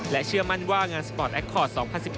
เชื่อมั่นว่างานสปอร์ตแอคคอร์ด๒๐๑๙